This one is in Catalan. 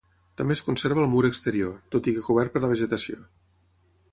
També es conserva el mur exterior, tot i que cobert per la vegetació.